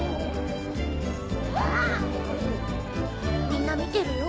みんな見てるよ。